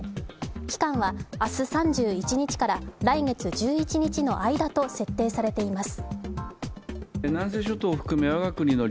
期間はあす３１日から来月１１日の間と設定されています。